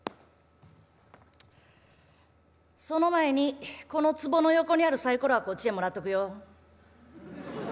「その前にこの壺の横にあるサイコロはこっちへもらっとくよ」。